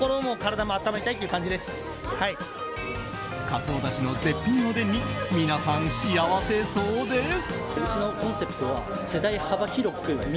カツオだしの絶品おでんに皆さん幸せそうです。